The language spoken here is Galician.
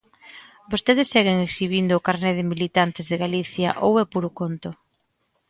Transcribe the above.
¿Vostedes seguen exhibindo o carné de militantes de Galicia ou é puro conto?